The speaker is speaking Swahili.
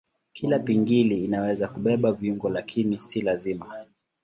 Kila pingili inaweza kubeba viungo lakini si lazima.